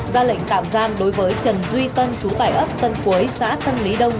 ra lệnh tạm gian đối với trần duy tân chú tài ấp tân cuối xã tân lý đông